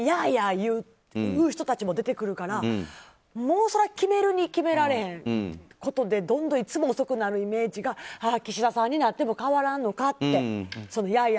言う人たちも出てくるから決めるに決められへんことでどんどん遅くなるイメージが岸田さんになっても変わらないのかやあやあ